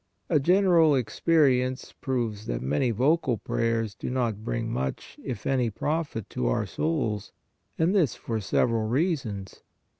A general ex perience proves that many vocal prayers do not bring much, if any, profit to our souls, and this for several reasons.